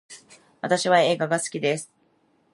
私は映画が好きです